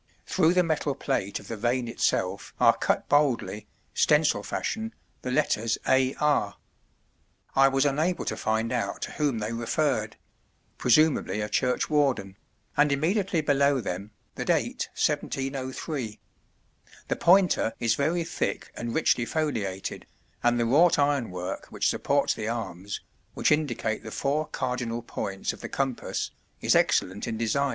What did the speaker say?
Through the metal plate of the vane itself are cut boldly, stencil fashion, the letters "A. R." (I was unable to find out to whom they referred presumably a churchwarden), and immediately below them, the date 1703. The pointer is very thick and richly foliated, and the wrought ironwork which supports the arms, which indicate the four cardinal points of the compass, is excellent in design. [Illustration: On Winchelsea Chvrch.